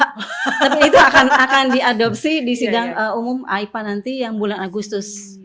tapi itu akan diadopsi di sidang umum aipa nanti yang bulan agustus